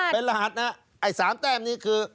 เป็นรหัสนะไอ้๓แต้มนี้คือ